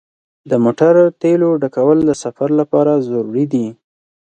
د موټر تیلو ډکول د سفر لپاره ضروري دي.